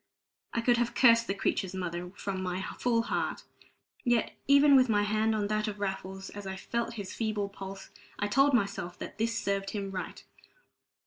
I could have cursed the creature's mother from my full heart; yet even with my hand on that of Raffles, as I felt his feeble pulse, I told myself that this served him right.